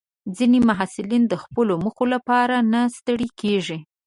ځینې محصلین د خپلو موخو لپاره نه ستړي کېږي.